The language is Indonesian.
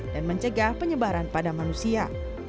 dan mencegah penyebaran pada manusia